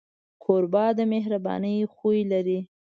کوربه د مهربانۍ خوی لري.